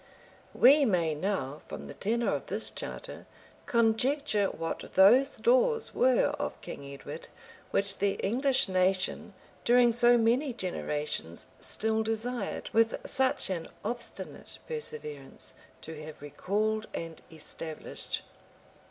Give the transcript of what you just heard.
We may now, from the tenor of this charter, conjecture what those laws were of King Edward which the English nation, during so many generations, still desired, with such an obstinate perseverance, to have recalled and established.